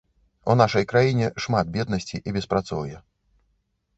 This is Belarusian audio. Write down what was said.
У нашай краіне шмат беднасці і беспрацоўя.